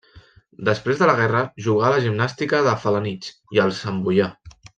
Després de la guerra jugà a la Gimnàstica de Felanitx i al Santboià.